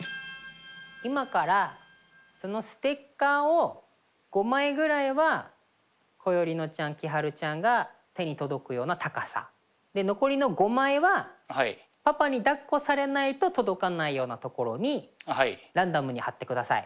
今からそのステッカーを５枚ぐらいは心縁乃ちゃん輝会ちゃんが手に届くような高さ残りの５枚はパパにだっこされないと届かないような所にランダムに貼ってください。